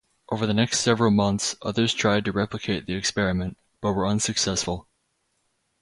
Over the next several months others tried to replicate the experiment, but were unsuccessful.